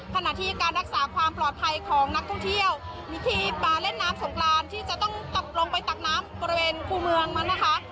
ขณะที่การรักษาความปลอดภัยของนักท่องเที่ยววิธีปลาเล่นน้ำสงกรานที่จะต้องตกลงไปตักน้ำบริเวณคู่เมืองมันนะคะ